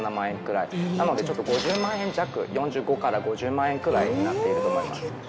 なのでちょっと５０万円弱４５から５０万円くらいになっていると思います。